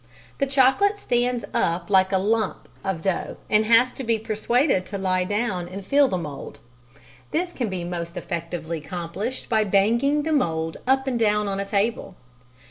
The chocolate stands up like a lump of dough and has to be persuaded to lie down and fill the mould. This can be most effectively accomplished by banging the mould up and down on a table.